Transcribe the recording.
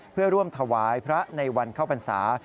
เพื่อร่วมถวายพระในวันเข้าพรรษา